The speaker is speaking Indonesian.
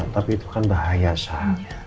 tapi itu kan bahaya saja